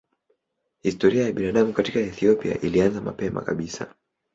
Historia ya binadamu katika Ethiopia ilianza mapema kabisa.